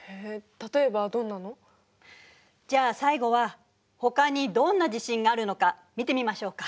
例えばどんなの？じゃあ最後はほかにどんな地震があるのか見てみましょうか。